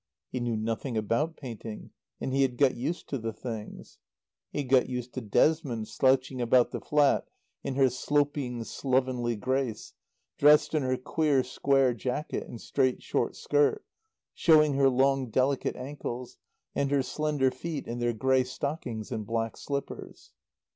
He knew nothing about painting and he had got used to the things. He had got used to Desmond, slouching about the flat, in her sloping, slovenly grace, dressed in her queer square jacket and straight short skirt, showing her long delicate ankles, and her slender feet in their grey stockings and black slippers.